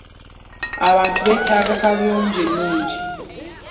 Abantu beetaaga kaabuyonjo ennungi.